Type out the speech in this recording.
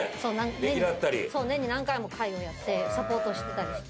年に何回も会をやってサポートしてたりして。